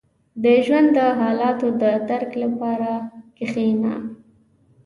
• د ژوند د حالاتو د درک لپاره کښېنه.